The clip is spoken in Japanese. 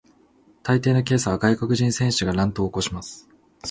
大抵のケースでは外国人選手が乱闘を起こします。